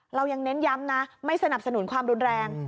เรายังเน้นย้ำนะไม่สนับสนุนความรุนแรง